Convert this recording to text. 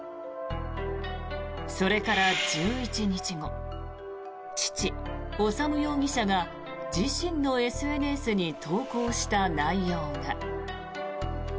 それから１１日後父・修容疑者が自身のＳＮＳに投稿した内容が。